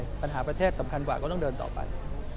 ก็ต้องแก้ไปปัญหาประเทศสำคัญกว่าก็ต้องเดินต่อไป